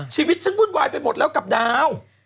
ชีวิตฉันวุ่นวายไปหมดแล้วกับดาว